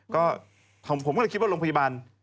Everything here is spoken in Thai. ก็ผมก็เลยคิดว่าโรงพยาบาล